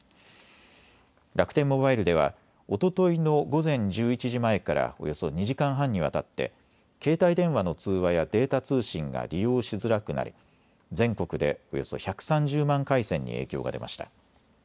楽天モバイルではおとといの午前１１時前からおよそ２時間半にわたって携帯電話の通話やデータ通信が利用しづらくなり全国でおよそ１３０万回線に影響が出ました。